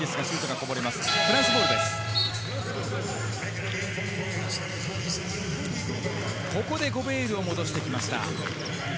ここでゴベールを戻してきました。